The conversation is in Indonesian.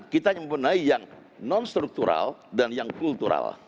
kita hanya membenahi yang non struktural dan yang kultural